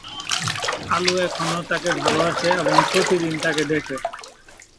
আলু এখনও তাকে ভালবাসে এবং প্রতিদিন তাকে দেখে।